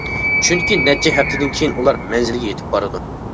چۈنكى نەچچە ھەپتىدىن كىيىن ئۇلار مەنزىلگە يىتىپ بارىدۇ.